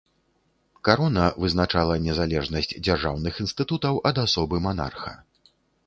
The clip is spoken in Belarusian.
Карона вызначала незалежнасць дзяржаўных інстытутаў ад асобы манарха.